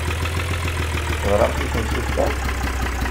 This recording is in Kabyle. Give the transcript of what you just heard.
Teɣramt i temsulta?